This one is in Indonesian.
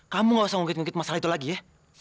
kamu gak usah ngungkit ngungkit masalah itu lagi ya